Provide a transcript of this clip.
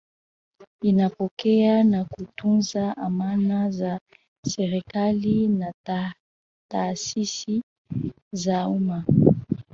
inapokea na kutunza amana za serikali na taasisi za umma